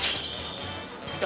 「見た！」